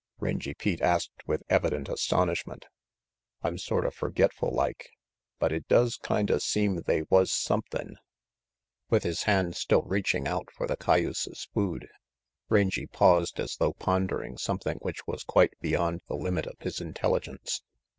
Rangy Pete asked with evident astonish 92 RANGY PETE ment. "I'm sorta forgetful like, but it does kinda seem they was somethin' With his hand still reaching out for the cayuse's food, Rangy paused as though pondering something which was quite beyond the limit of his intelligence.